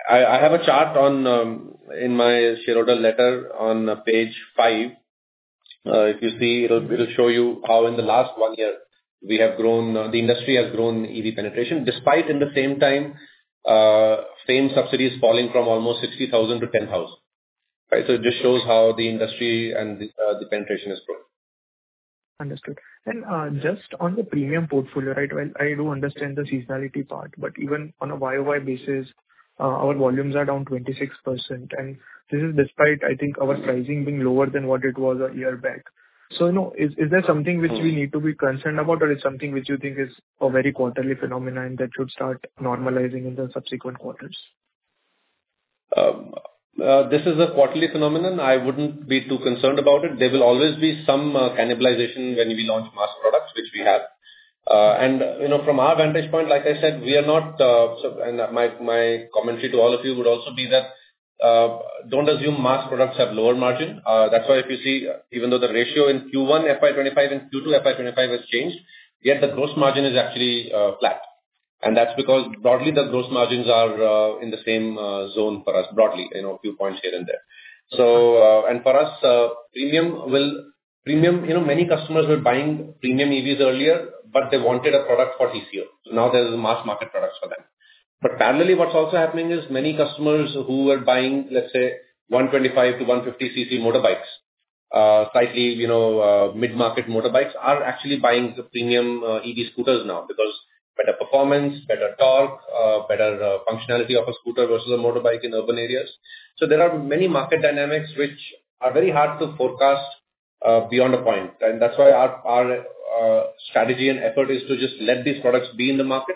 I have a chart in my shareholder letter on page five. If you see, it'll show you how in the last one year we have grown, the industry has grown EV penetration despite in the same time same subsidies falling from almost 60,000 to 10,000. Right? So it just shows how the industry and the penetration has grown. Understood. And just on the premium portfolio, right, I do understand the seasonality part, but even on a YOY basis, our volumes are down 26%. And this is despite, I think, our pricing being lower than what it was a year back. So is there something which we need to be concerned about, or it's something which you think is a very quarterly phenomenon that should start normalizing in the subsequent quarters? This is a quarterly phenomenon. I wouldn't be too concerned about it. There will always be some cannibalization when we launch mass products, which we have. And from our vantage point, like I said, we are not, and my commentary to all of you would also be that don't assume mass products have lower margin. That's why if you see, even though the ratio in Q1 FY25 and Q2 FY25 has changed, yet the gross margin is actually flat. And that's because broadly, the gross margins are in the same zone for us, broadly, a few points here and there. And for us, premium, many customers were buying premium EVs earlier, but they wanted a product for TCO. So now there's mass market products for them. But parallelly, what's also happening is many customers who were buying, let's say, 125 to 150 cc motorbikes, slightly mid-market motorbikes, are actually buying premium EV scooters now because better performance, better torque, better functionality of a scooter versus a motorbike in urban areas. So there are many market dynamics which are very hard to forecast beyond a point. And that's why our strategy and effort is to just let these products be in the market.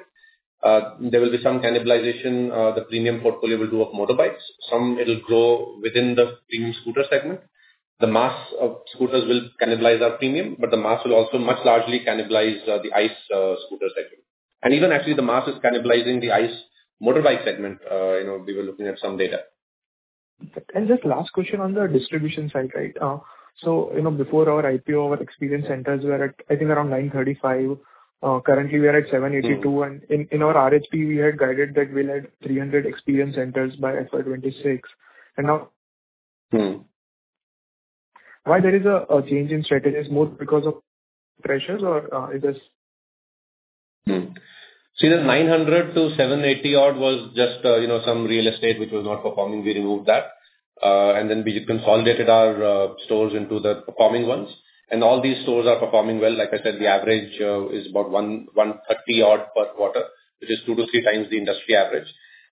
There will be some cannibalization the premium portfolio will do of motorbikes. Some it'll grow within the premium scooter segment. The mass of scooters will cannibalize our premium, but the mass will also much largely cannibalize the ICE scooter segment. And even actually, the mass is cannibalizing the ICE motorbike segment. We were looking at some data. And just last question on the distribution side, right? Before our IPO, our experience centers were at, I think, around 935. Currently, we are at 782. In our RHP, we had guided that we'll add 300 experience centers by FY26. Why there is a change in strategy is more because of pressures, or is this? See, the 900 to 780 odd was just some real estate which was not performing. We removed that. Then we consolidated our stores into the performing ones. All these stores are performing well. Like I said, the average is about 130 odd per quarter, which is two to three times the industry average.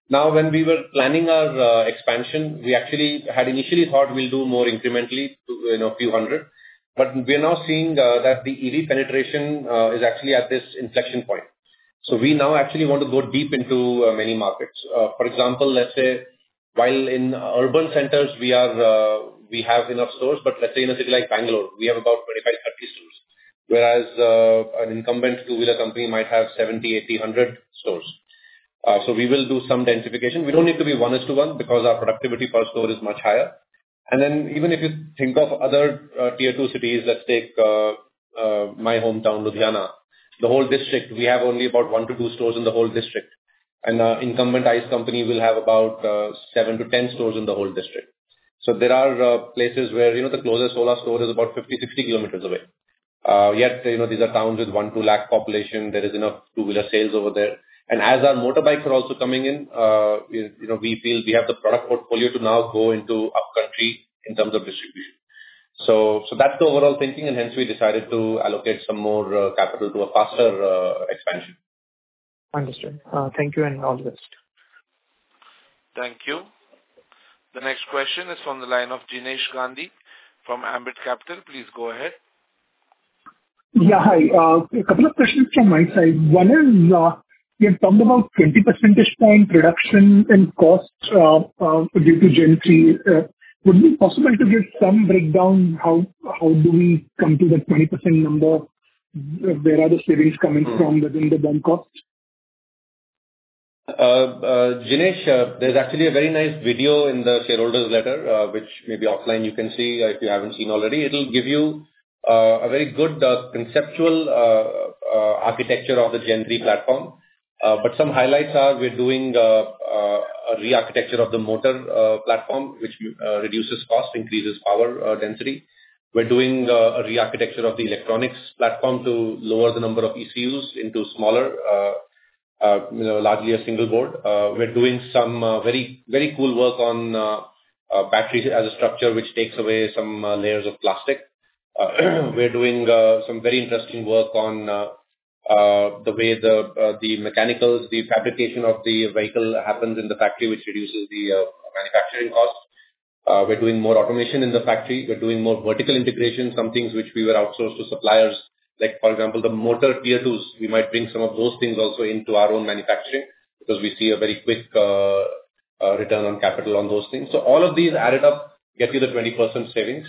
Now, when we were planning our expansion, we actually had initially thought we'll do more incrementally to a few hundred. But we are now seeing that the EV penetration is actually at this inflection point. So we now actually want to go deep into many markets. For example, let's say while in urban centers, we have enough stores, but let's say in a city like Bangalore, we have about 25-30 stores, whereas an incumbent two-wheeler company might have 70, 80, 100 stores. So we will do some densification. We don't need to be one-to-one because our productivity per store is much higher. And then even if you think of other tier two cities, let's take my hometown, Ludhiana, the whole district, we have only about one to two stores in the whole district. And our incumbent ICE company will have about 7-10 stores in the whole district. So there are places where the closest Ola store is about 50-60 kilometers away. Yet these are towns with one to two lakh population. There is enough two-wheeler sales over there. And as our motorbikes are also coming in, we feel we have the product portfolio to now go into upcountry in terms of distribution. So that's the overall thinking, and hence we decided to allocate some more capital to a faster expansion. Understood. Thank you and all the best. Thank you. The next question is from the line of Jinesh Gandhi from Ambit Capital. Please go ahead. Yeah. Hi. A couple of questions from my side. One is you had talked about 20% discount reduction in cost due to Gen 3. Would it be possible to give some breakdown? How do we come to the 20% number? Where are the savings coming from within the BOM cost? Dinesh, there's actually a very nice video in the shareholders' letter, which maybe offline you can see if you haven't seen already. It'll give you a very good conceptual architecture of the Gen 3 Platform. But some highlights are we're doing a re-architecture of the motor platform, which reduces cost, increases power density. We're doing a re-architecture of the electronics platform to lower the number of ECUs into smaller, largely a single board. We're doing some very cool work on batteries as a structure, which takes away some layers of plastic. We're doing some very interesting work on the way the mechanicals, the fabrication of the vehicle happens in the factory, which reduces the manufacturing cost. We're doing more automation in the factory. We're doing more vertical integration, some things which we were outsourced to suppliers. Like for example, the motor Tier 2s, we might bring some of those things also into our own manufacturing because we see a very quick return on capital on those things. So all of these added up gets you the 20% savings.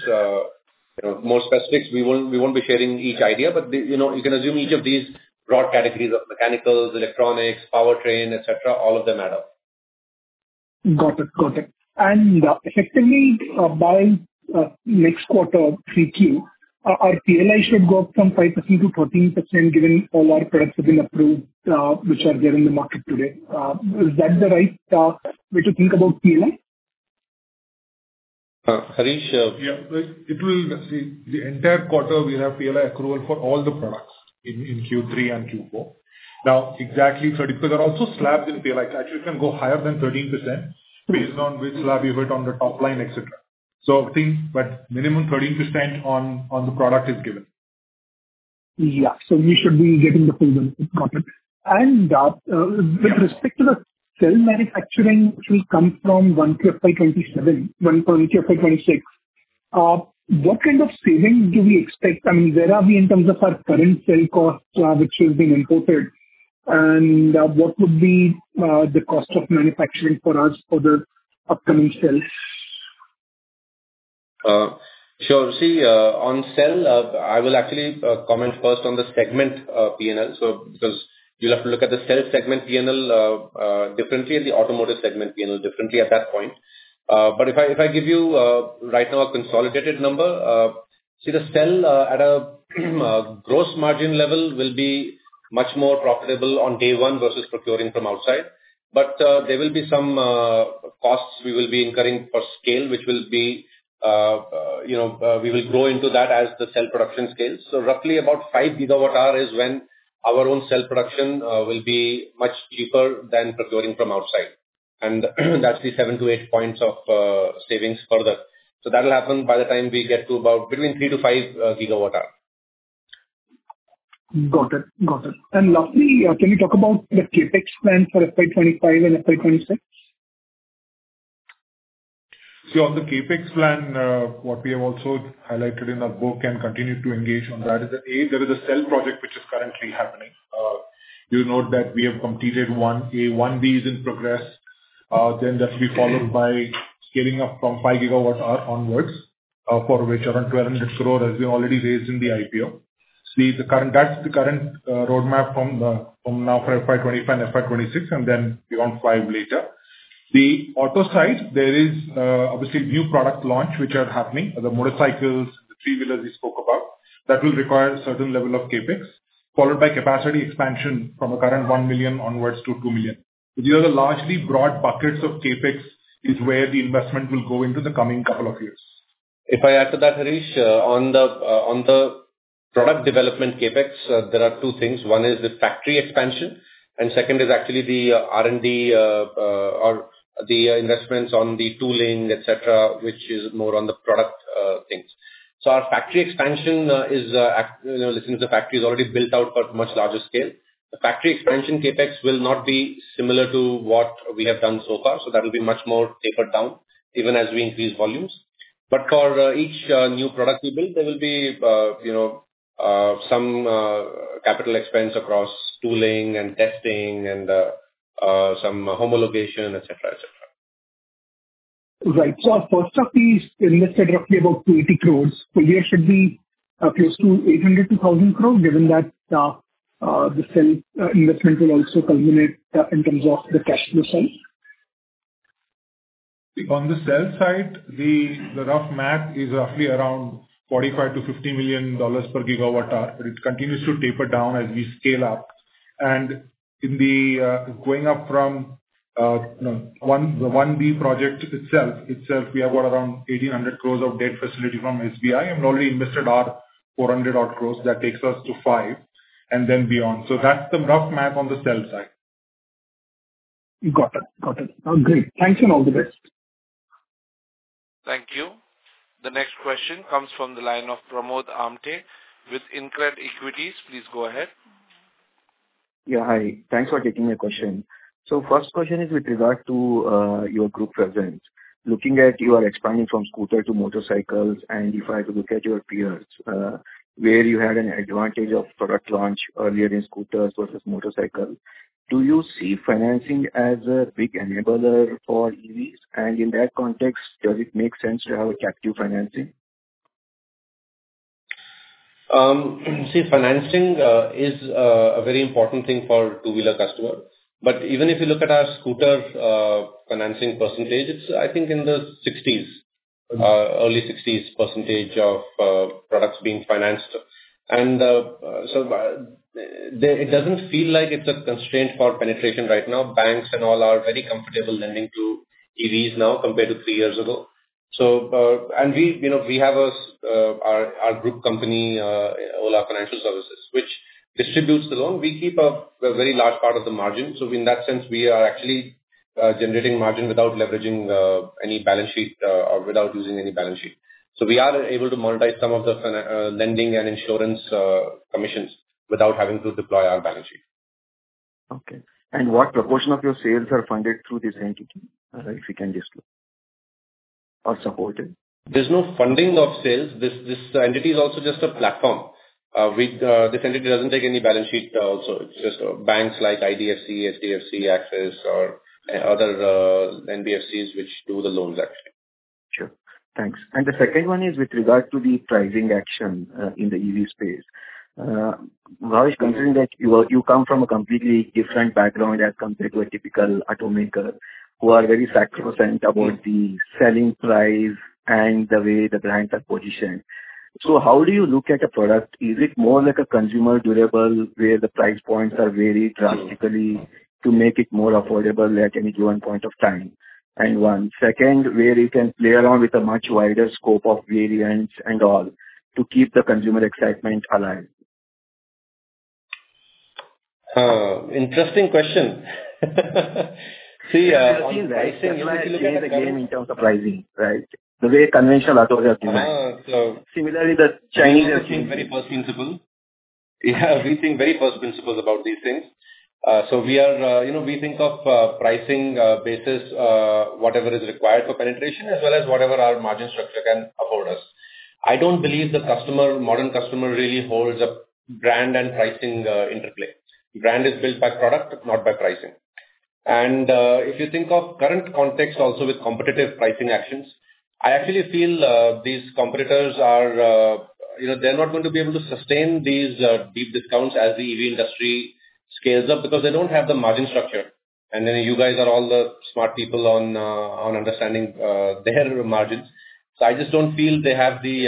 More specifics, we won't be sharing each idea, but you can assume each of these broad categories of mechanicals, electronics, powertrain, etc., all of them add up. Got it. Got it. And effectively, by next quarter, uncertain, our PLI should go up from 5% to 14% given all our products have been approved, which are there in the market today. Is that the right way to think about PLI? Harish. Yeah. It will see the entire quarter, we have PLI approval for all the products in Q3 and Q4. Now, exactly 30% because there are also slabs in PLI that actually can go higher than 13% based on which slab you hit on the top line, etc. So I think minimum 13% on the product is given. Yeah. So we should be getting the full one. Got it. With respect to the cell manufacturing, which will come from 1Q FY27, 1Q FY26, what kind of savings do we expect? I mean, where are we in terms of our current cell cost, which has been imported? And what would be the cost of manufacturing for us for the upcoming cell? Sure. See, on cell, I will actually comment first on the segment P&L because you'll have to look at the cell segment P&L differently and the automotive segment P&L differently at that point. If I give you right now a consolidated number, see, the cell at a gross margin level will be much more profitable on day one versus procuring from outside. There will be some costs we will be incurring for scale, which we will grow into that as the cell production scales. Roughly about 5 gigawatt-hour is when our own cell production will be much cheaper than procuring from outside. And that's the 7-8 points of savings further. So that will happen by the time we get to about between 3-5 gigawatt-hour. Got it. Got it. And lastly, can we talk about the CapEx plan for FY25 and FY26? See, on the CapEx plan, what we have also highlighted in our book and continue to engage on that is that there is a cell project which is currently happening. You note that we have completed one. Phase 1B is in progress. Then that will be followed by scaling up from 5 gigawatt-hour onwards for which around 1,200 crore has been already raised in the IPO. See, that's the current roadmap from now for FY25 and FY26, and then beyond five later. The auto side, there is obviously new product launch which are happening, the motorcycles, the three-wheelers we spoke about. That will require a certain level of CapEx, followed by capacity expansion from a current 1 million onwards to 2 million. So these are the largely broad buckets of CapEx is where the investment will go into the coming couple of years. If I add to that, Harish, on the product development CapEx, there are two things. One is the factory expansion, and second is actually the R&D or the investments on the tooling, etc., which is more on the product things. So our factory expansion is limited to the factory is already built out for much larger scale. The factory expansion CapEx will not be similar to what we have done so far. So that will be much more tapered down even as we increase volumes. But for each new product we build, there will be some capital expense across tooling and testing and some homologation, etc., etc. Right. So our CapEx invested roughly about 280 crores. So we should be close to 800-1,000 crore given that the investment will also culminate in terms of the cash flow side. On the cell side, the rough math is roughly around $45-50 million per gigawatt-hour, but it continues to taper down as we scale up. And in the going up from the 1G project itself, we have got around 1,800 crores of debt facility from SBI and already invested our 400-odd crores that takes us to five and then beyond. So that's the rough math on the cell side. Got it. Got it. Great. Thanks and all the best. Thank you. The next question comes from the line of Pramod Amthe with InCred Equities. Please go ahead. Yeah. Hi. Thanks for taking my question. So first question is with regard to your group presence. Looking at your expanding from scooter to motorcycles, and if I look at your peers, where you had an advantage of product launch earlier in scooters versus motorcycles, do you see financing as a big enabler for EVs? And in that context, does it make sense to have a captive financing? See, financing is a very important thing for two-wheeler customers. But even if you look at our scooter financing percentage, it's, I think, in the 60s, early 60s% of products being financed. And so it doesn't feel like it's a constraint for penetration right now. Banks and all are very comfortable lending to EVs now compared to three years ago. And we have our group company, Ola Financial Services, which distributes the loan. We keep a very large part of the margin. So in that sense, we are actually generating margin without leveraging any balance sheet or without using any balance sheet. So we are able to monetize some of the lending and insurance commissions without having to deploy our balance sheet. Okay. And what proportion of your sales are funded through this entity if you can just look or support it? There's no funding of sales. This entity is also just a platform. This entity doesn't take any balance sheet also. It's just banks like IDFC, HDFC, Axis, or other NBFCs which do the loans actually. Sure. Thanks. And the second one is with regard to the pricing action in the EV space. Bhavish, considering that you come from a completely different background as compared to a typical automaker who are very sacrosanct about the selling price and the way the brands are positioned. So how do you look at a product? Is it more like a consumer durable where the price points are varied drastically to make it more affordable at any given point of time? And one, second, where you can play around with a much wider scope of variants and all to keep the consumer excitement alive? Interesting question. See, I think if you look at the game in terms of pricing, right, the way conventional autos are doing, similarly, the Chinese are doing. We think very first principle. Yeah. We think very first principles about these things. So we think of pricing basis whatever is required for penetration as well as whatever our margin structure can afford us. I don't believe the customer, modern customer, really holds a brand and pricing interplay. Brand is built by product, not by pricing. And if you think of current context also with competitive pricing actions, I actually feel these competitors are not going to be able to sustain these deep discounts as the EV industry scales up because they don't have the margin structure. And then you guys are all the smart people on understanding their margins. So I just don't feel they have the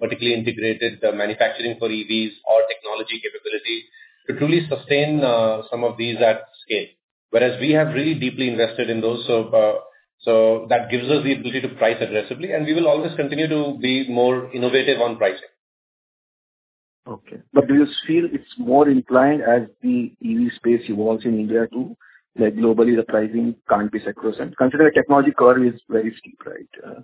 vertically integrated manufacturing for EVs or technology capability to truly sustain some of these at scale, whereas we have really deeply invested in those. So that gives us the ability to price aggressively, and we will always continue to be more innovative on pricing. Okay. But do you feel it's more inclined as the EV space evolves in India too, that globally the pricing can't be sacrosanct? Considering the technology curve is very steep, right?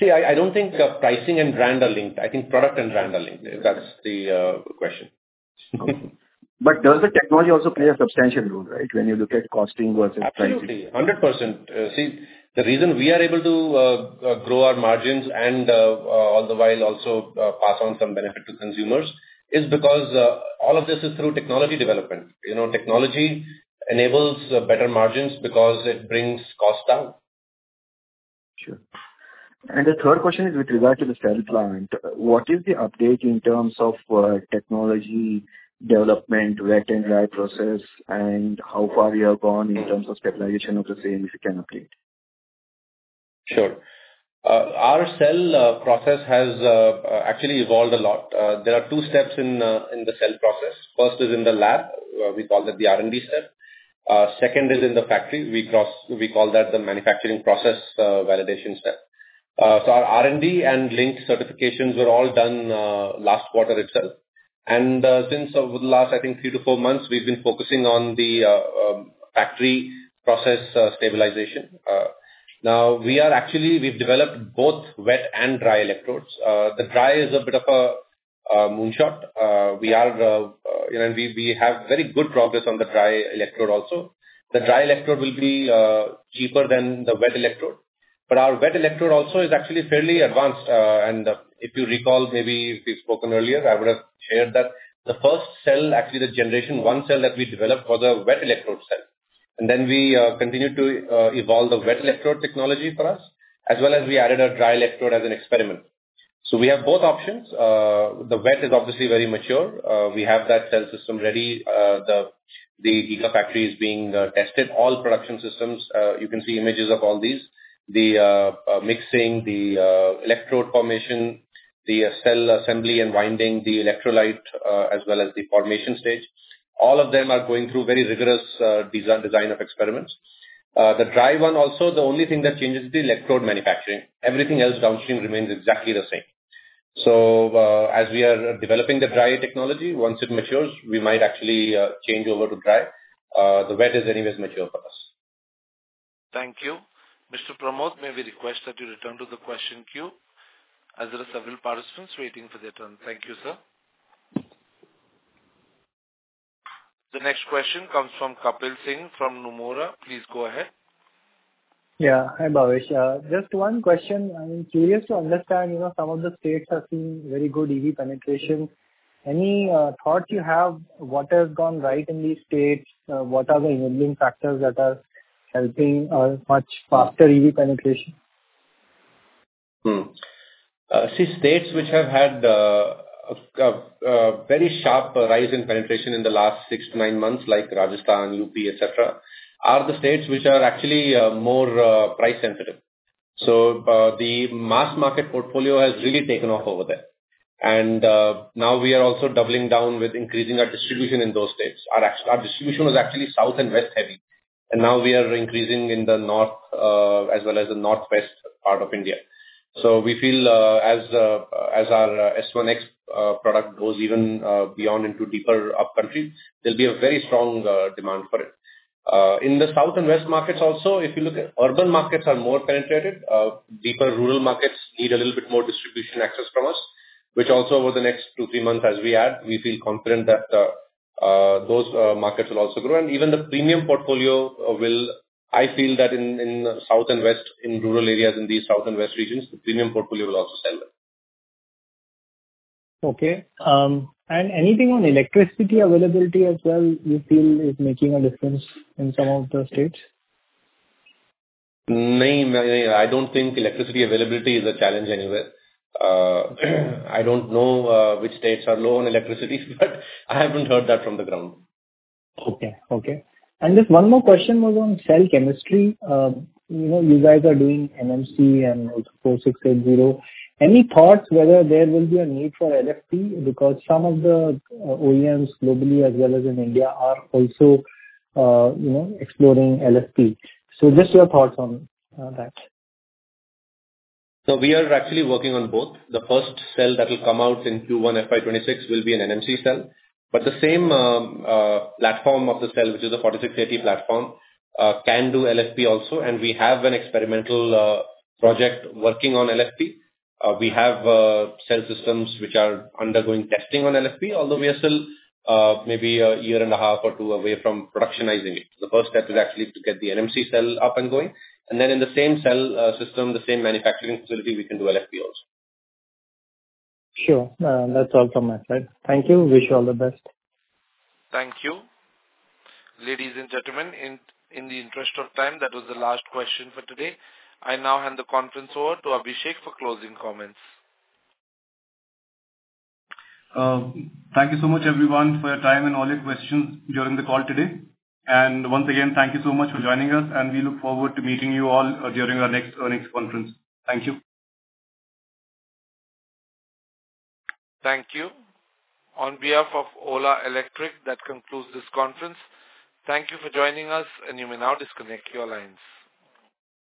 See, I don't think pricing and brand are linked. I think product and brand are linked. That's the question. But does the technology also play a substantial role, right, when you look at costing versus pricing? Absolutely. 100%. See, the reason we are able to grow our margins and all the while also pass on some benefit to consumers is because all of this is through technology development. Technology enables better margins because it brings cost down. Sure. And the third question is with regard to the cell plant. What is the update in terms of technology development, dry electrode process, and how far you have gone in terms of stabilization of the same if you can update? Sure. Our cell process has actually evolved a lot. There are two steps in the cell process. First is in the lab. We call that the R&D step. Second is in the factory. We call that the manufacturing process validation step. So our R&D and linked certifications were all done last quarter itself, and since over the last, I think, three to four months, we've been focusing on the factory process stabilization. Now, we actually have developed both wet and dry electrodes. The dry is a bit of a moonshot. We have very good progress on the dry electrode also. The dry electrode will be cheaper than the wet electrode. But our wet electrode also is actually fairly advanced. And if you recall, maybe we've spoken earlier, I would have shared that the first cell, actually the generation one cell that we developed was a wet electrode cell. And then we continued to evolve the wet electrode technology for us, as well as we added a dry electrode as an experiment. So we have both options. The wet is obviously very mature. We have that cell system ready. The Gigafactory is being tested. All production systems, you can see images of all these, the mixing, the electrode formation, the cell assembly and winding, the electrolyte, as well as the formation stage. All of them are going through very rigorous design of experiments. The dry one also, the only thing that changes is the electrode manufacturing. Everything else downstream remains exactly the same. So as we are developing the dry technology, once it matures, we might actually change over to dry. The wet is anyways mature for us. Thank you. Mr. Pramod, may we request that you return to the question queue? There are several participants waiting for their turn. Thank you, sir. The next question comes from Kapil Singh from Nomura. Please go ahead. Yeah. Hi, Bhavish. Just one question. I'm curious to understand some of the states have seen very good EV penetration. Any thoughts you have? What has gone right in these states? What are the enabling factors that are helping much faster EV penetration? See, states which have had a very sharp rise in penetration in the last six to nine months, like Rajasthan, UP, etc., are the states which are actually more price sensitive. So the mass market portfolio has really taken off over there. And now we are also doubling down with increasing our distribution in those states. Our distribution was actually south and west heavy. And now we are increasing in the north as well as the northwest part of India. So we feel as our S1 X product goes even beyond into deeper upcountry, there'll be a very strong demand for it. In the south and west markets also, if you look at urban markets are more penetrated, deeper rural markets need a little bit more distribution access from us, which also over the next two, three months as we add, we feel confident that those markets will also grow. And even the premium portfolio will, I feel that in the south and west in rural areas in these south and west regions, the premium portfolio will also sell them. Okay. Anything on electricity availability as well you feel is making a difference in some of the states? No, I don't think electricity availability is a challenge anywhere. I don't know which states are low on electricity, but I haven't heard that from the ground. Okay. Okay. Just one more question was on cell chemistry. You guys are doing NMC and 4680. Any thoughts whether there will be a need for LFP because some of the OEMs globally as well as in India are also exploring LFP? Just your thoughts on that. We are actually working on both. The first cell that will come out in Q1 FY26 will be an NMC cell. But the same platform of the cell, which is the 4680 platform, can do LFP also. We have an experimental project working on LFP. We have cell systems which are undergoing testing on LFP, although we are still maybe a year and a half or two away from productionizing it. The first step is actually to get the NMC cell up and going. And then in the same cell system, the same manufacturing facility, we can do LFP also. Sure. That's all from my side. Thank you. Wish you all the best. Thank you. Ladies and gentlemen, in the interest of time, that was the last question for today. I now hand the conference over to Abhishek for closing comments. Thank you so much, everyone, for your time and all your questions during the call today. And once again, thank you so much for joining us. And we look forward to meeting you all during our next conference. Thank you. Thank you. On behalf of Ola Electric, that concludes this conference. Thank you for joining us, and you may now disconnect your lines.